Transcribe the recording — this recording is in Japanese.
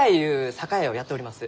酒屋をやっております。